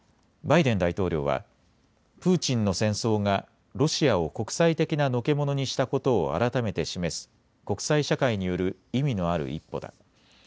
バイデン大統領はプーチンの戦争がロシアを国際的なのけ者にしたことを改めて示す国際社会による意味のある一歩だ。